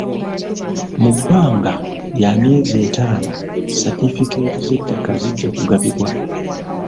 Mu bbanga lya myezi etaano satifikeeti z'ettaka zijja kugabibwa.